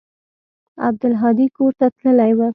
عبدالهادي کور ته تللى و.